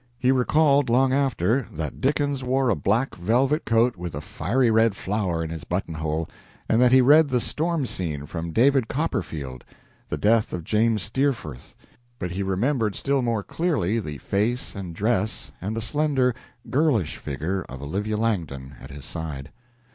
He recalled long after that Dickens wore a black velvet coat with a fiery red flower in his buttonhole, and that he read the storm scene from "David Copperfield" the death of James Steerforth; but he remembered still more clearly the face and dress and the slender, girlish figure of Olivia Langdon at his side.